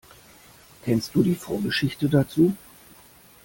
Kennst du die Vorgeschichte dazu?